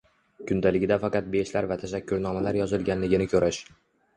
kundaligida faqat beshlar va tashakkurnomalar yozilganligini ko‘rish